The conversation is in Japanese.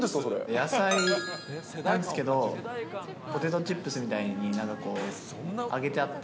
野菜なんですけど、ポテトチップスみたいに揚げてあって。